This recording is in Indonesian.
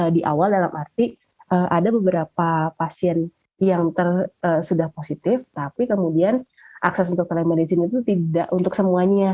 di awal dalam arti ada beberapa pasien yang sudah positif tapi kemudian akses untuk telemedicine itu tidak untuk semuanya